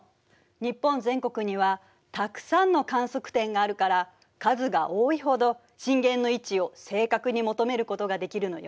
日本全国にはたくさんの観測点があるから数が多いほど震源の位置を正確に求めることができるのよ。